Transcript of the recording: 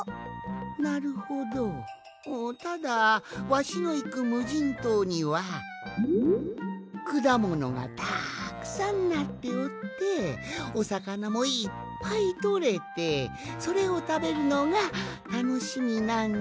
なるほどただわしのいくむじんとうにはくだものがたくさんなっておっておさかなもいっぱいとれてそれをたべるのがたのしみなんじゃが。